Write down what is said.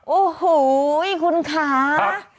โอ้โหคุณคะ